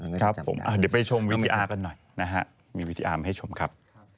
เราไม่จำได้เลยครับผมเดี๋ยวไปชมวิทยากันหน่อยนะฮะมีวิทยามาให้ชมครับ